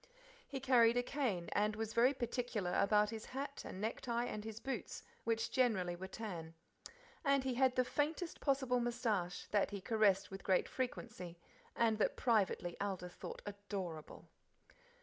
He carried a cane, and was very particular about his hat and necktie and his boots, which generally were tan. And he had the faintest possible moustache, that he caressed with great frequency; and that privately Aldith thought adorable.